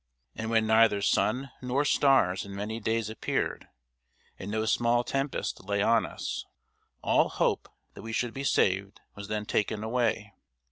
And when neither sun nor stars in many days appeared, and no small tempest lay on us, all hope that we should be saved was then taken away.